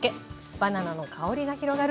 バナナの香りが広がる